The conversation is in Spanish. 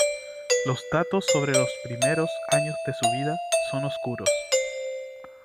Los datos sobre los primeros años de su vida son oscuros.